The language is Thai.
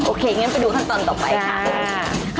โอเคอย่างนั้นไปดูขั้นตอนต่อไปค่ะ